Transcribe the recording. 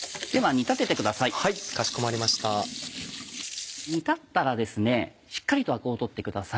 煮立ったらしっかりとアクを取ってください。